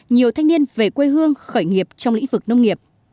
nhiều thanh niên về quê hương khởi nghiệp trong lĩnh vực nông nghiệp